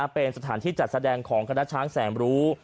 เป็นสถานที่จัดแสดงของคณะช้างแสนรู้